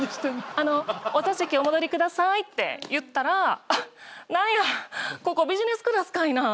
お座席お戻りくださいって言ったら「あっ何やここビジネスクラスかいな」みたいな。